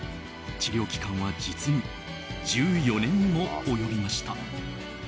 治療期間は実に１４年にも及びました。